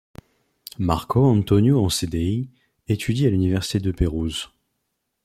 Marco Antonio Ansidei étudie à l'université de Pérouse.